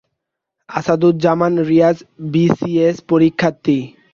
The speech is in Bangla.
আসাদুজ্জামান রিয়াজ বিসিএস পরীক্ষার্থী।